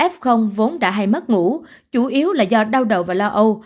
f vốn đã hay mất ngủ chủ yếu là do đau đầu và lo âu